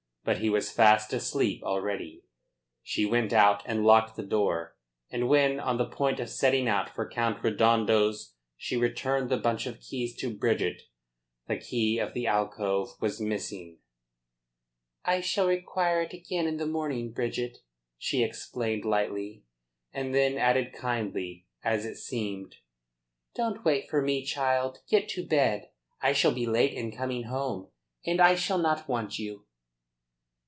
But he was fast asleep already. She went out and locked the door, and when, on the point of setting out for Count Redondo's, she returned the bunch of keys to Bridget the key of the alcove was missing. "I shall require it again in the morning, Bridget," she explained lightly. And then added kindly, as it seemed: "Don't wait for me, child. Get to bed. I shall be late in coming home, and I shall not want you."